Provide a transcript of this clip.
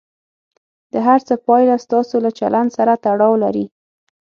د هر څه پایله ستاسو له چلند سره تړاو لري.